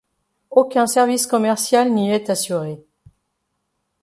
Aucun service commercial n'y est assuré.